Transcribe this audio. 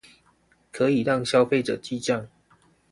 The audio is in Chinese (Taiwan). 可以讓消費者記帳